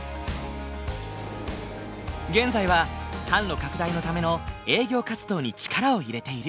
現在は販路拡大のための営業活動に力を入れている。